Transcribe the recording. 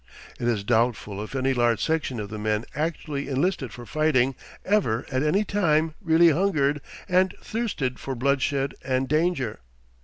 It is doubtful if any large section of the men actually enlisted for fighting ever at any time really hungered and thirsted for bloodshed and danger.